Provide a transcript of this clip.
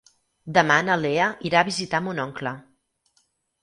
Demà na Lea irà a visitar mon oncle.